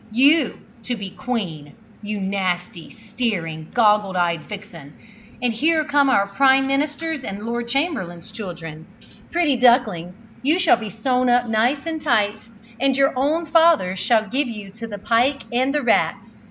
You to be queen, you nasty, staring, goggle eyed vixen! And here come our Prime Minister's and Lord Chamberlain's children! Pretty ducklings, you shall be sown up nice and tight, and your own fathers shall give you to the pike and the rats.